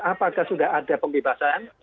apakah sudah ada pembebasan